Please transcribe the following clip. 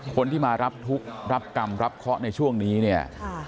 คนที่มารับทุกข์รับกรรมรับเคาะในช่วงนี้เนี่ย